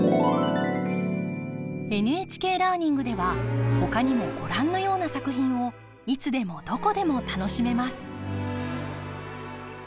ＮＨＫラーニングではほかにもご覧のような作品をいつでもどこでも楽しめます！